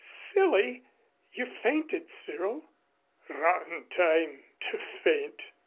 "Silly! You fainted, Cyril." "Rotten time to faint."